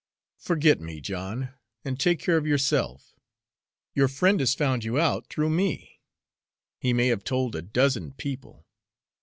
Forget me, John, and take care of yourself. Your friend has found you out through me he may have told a dozen people.